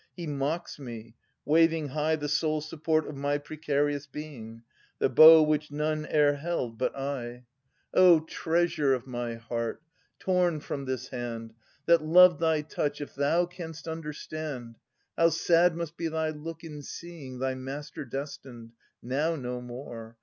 He mocks me, waving high The sole support of my precarious being, The bow which none ^er held but I. 1128 1154] Philodetes 307 O treasure of my heart, torn from this hand, That loved thy touch, — if thou canst understand, How sad must be thy look in seeing Thy master destined now no more.